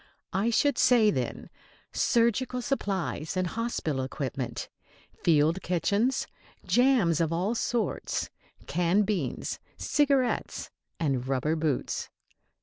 I should say, then, surgical supplies and hospital equipment, field kitchens, jams of all sorts, canned beans, cigarettes and rubber boots!